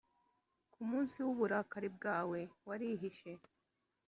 ku munsi w’uburakari bwawe warishe,